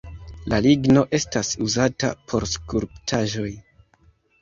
La ligno estas uzata por skulptaĵoj.